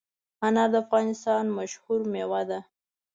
انار د افغانستان مشهور مېوه ده.